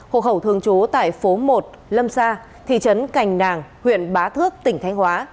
hộ khẩu thường trú tại phố một lâm sa thị trấn cành nàng huyện bá thước tỉnh thanh hóa